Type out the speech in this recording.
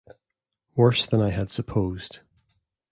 Worse than I had supposed.